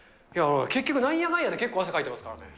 結局、なんやかんやで結構、汗かいてますからね。